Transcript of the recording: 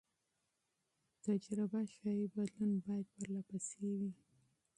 تجربه ښيي بدلون باید پرله پسې وي.